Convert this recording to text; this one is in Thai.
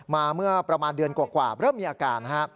เมื่อประมาณเดือนกว่าเริ่มมีอาการ